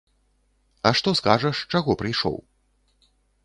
А што скажаш, чаго прыйшоў?